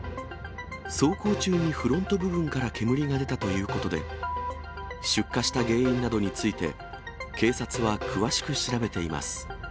走行中にフロント部分から煙が出たということで、出火した原因などについて、警察は詳しく調べています。